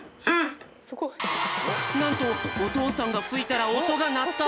なんとおとうさんがふいたらおとがなった！